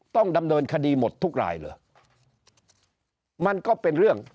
ต้องดำเนินคดีหมดทุกรายเหรอมันก็เป็นเรื่อง